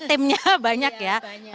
timnya banyak ya